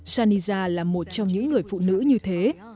saniza là một trong những người phụ nữ như thế